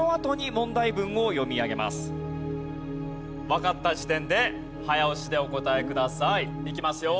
わかった時点で早押しでお答えください。いきますよ。